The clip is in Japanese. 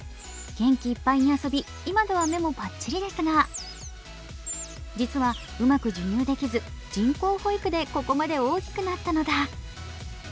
元気いっぱいに遊び、今では目もぱっちりですが実はうまく授乳できず、人工保育でここまで大きくなったのだ。